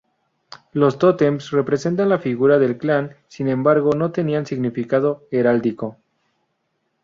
Los tótems representaban las figuras del clan, sin embargo, no tenían significado heráldico.